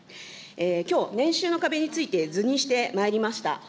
きょう、年収の壁について図にしてまいりました。